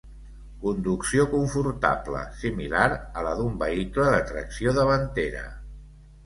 Conducció confortable, similar a la d'un vehicle de tracció davantera.